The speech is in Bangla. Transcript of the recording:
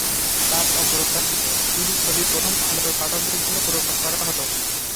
তাঁর অপ্রকাশিত কিছু ছবি প্রথম আলোর পাঠকদের জন্য প্রকাশ করা হলো।